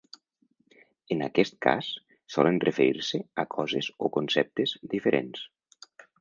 En aquest cas solen referir-se a coses o conceptes diferents.